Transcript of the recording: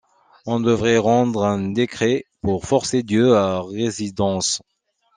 On devrait rendre un décret pour forcer Dieu à résidence.